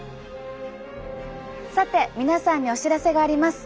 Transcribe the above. さて皆さんにお知らせがあります。